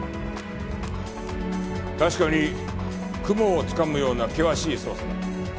確かに雲をつかむような険しい捜査だ。